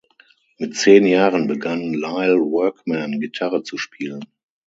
Mit zehn Jahren begann Lyle Workman Gitarre zu spielen.